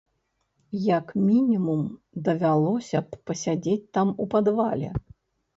Як мінімум, давялося б пасядзець там у падвале.